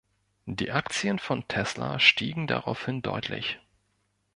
Die Aktien von Tesla stiegen daraufhin deutlich.